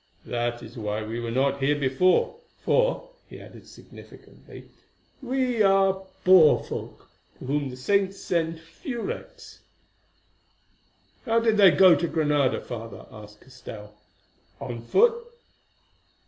That is why we were not here before, for," he added significantly, "we are poor folk, to whom the saints send few wrecks." "How did they go to Granada, Father?" asked Castell. "On foot?"